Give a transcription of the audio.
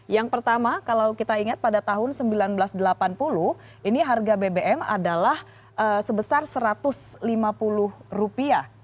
yang pertama kalau kita ingat pada tahun seribu sembilan ratus delapan puluh ini harga bbm adalah sebesar rp satu ratus lima puluh